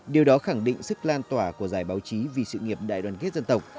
điều đó khẳng định sức lan tỏa của giải báo chí vì sự nghiệp đại đoàn kết dân tộc